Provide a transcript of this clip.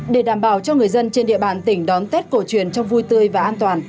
để đảm bảo cho người dân trên địa bàn tỉnh đón tết cổ truyền trong vui tươi và an toàn